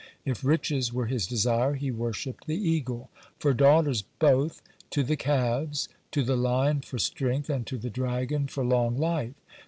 If riches were his desire, he worshipped the eagle. For daughters both, to the calves; to the lion for strength, and to the dragon for long life.